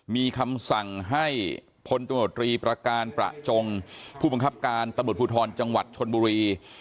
มีคำสั่งให้พลตำรวจรีประการประจงผู้บังคับการตำรวจภูทรจังหวัดชนบุรี